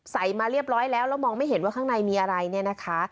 มาเรียบร้อยแล้วแล้วมองไม่เห็นว่าข้างในมีอะไรเนี่ยนะคะ